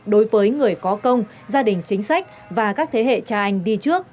đối với người có công gia đình chính sách và các thế hệ cha anh đi trước